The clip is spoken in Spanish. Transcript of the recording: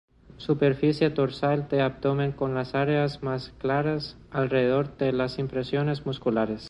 Superficie dorsal del abdomen con áreas más claras alrededor de las impresiones musculares.